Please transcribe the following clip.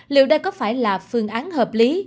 liệu đây có phải là phương án hợp lý